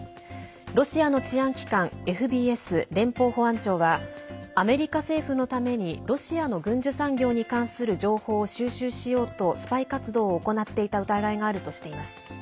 ロシアの治安機関ＦＢＳ＝連邦保安庁はアメリカ政府のためにロシアの軍需産業に関する情報を収集しようとスパイ活動を行っていた疑いがあるとしています。